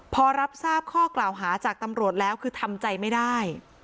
พอรับทราบข้อกล่าวหาจากตำรวจแล้วคือทำใจไม่ได้